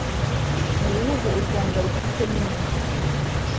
mu bihugu u rwanda rufitemo inyungu